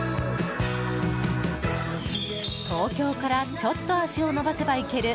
東京からちょっと足を延ばせば行ける